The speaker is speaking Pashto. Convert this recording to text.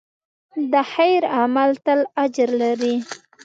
د خیر عمل تل اجر لري.